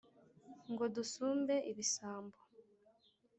ngo dusumbe ibisambo